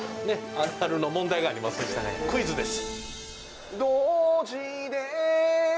あるあるの問題がありますんでクイズです。